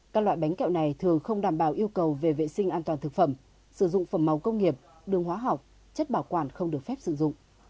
các loại bánh kẹo này thường không đảm bảo yêu cầu về vệ sinh an toàn thực phẩm sử dụng phẩm màu công nghiệp đường hóa học chất bảo quản không được phép sử dụng